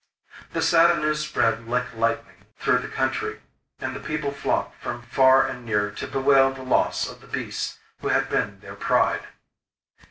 This sad news spread like lightning through the country, and the people flocked from far and near to bewail the loss of the beast who had been their pride.